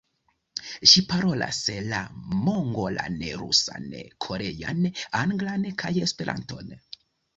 Ŝi parolas la mongolan, rusan, korean, anglan kaj Esperanton.